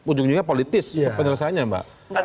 ujungnya politis penyelesaiannya mbak